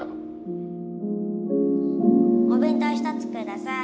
お弁当１つ下さい。